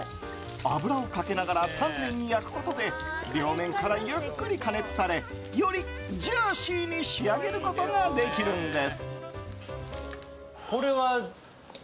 油をかけながら丹念に焼くことで両面からゆっくり加熱されよりジューシーに仕上げることができるんです。